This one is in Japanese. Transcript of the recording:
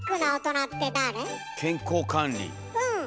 うん。